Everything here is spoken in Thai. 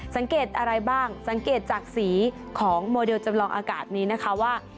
สังเกตอะไรบ้างสังเกตจากสีของโมเดลจำลองอากาศนี้นะคะว่า